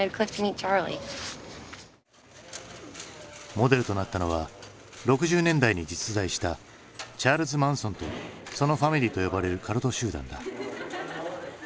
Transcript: モデルとなったのは６０年代に実在したチャールズ・マンソンとそのファミリーと呼ばれるカルト集団だ。